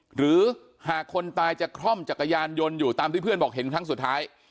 หรือหากคนตายจะคล่อมจักรยานยนต์อยู่ตามที่เพื่อนบอกเห็นครั้งสุดท้าย